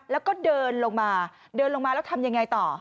แล้วก็เดินลงมาแล้วทำยังไงต่อ